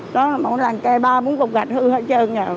có một làn cây ba bốn cục gạch hư hết trơn rồi